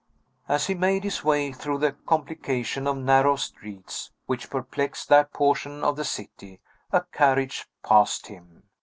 As he made his way through the complication of narrow streets, which perplex that portion of the city, a carriage passed him.